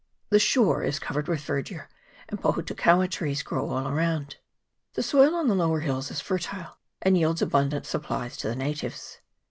The shore is covered with verdure, and pohutukaua trees grow all around. The soil on the lower hills is fertile, and yields abundant supplies to the natives.